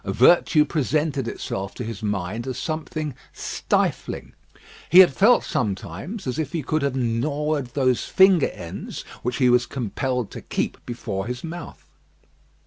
Virtue presented itself to his mind as something stifling. He had felt, sometimes, as if he could have gnawed those finger ends which he was compelled to keep before his mouth.